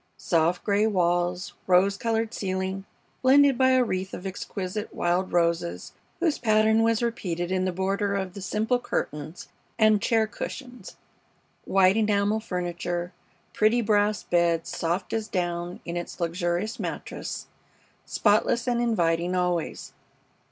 Soft gray walls, rose colored ceiling, blended by a wreath of exquisite wild roses, whose pattern was repeated in the border of the simple curtains and chair cushions, white enamel furniture, pretty brass bed soft as down in its luxurious mattress, spotless and inviting always.